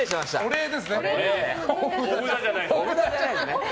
おふだじゃないですね。